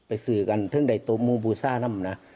ไปสื่อกันถึงว่าต้องมุมบูษางั้นไหมนะ